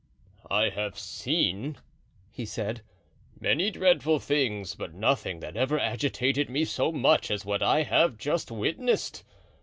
"I have seen," he said, "many dreadful things, but nothing that ever agitated me so much as what I have just witnessed.